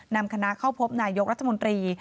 นำคณะเข้าพบนายกรัฐมนตรี